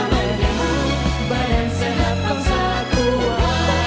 terima kasih pak troy